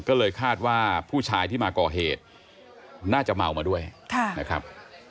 ก็เลยคาดว่าผู้ชายที่มาก่อเหตุน่าจะเมามาด้วยนะครับ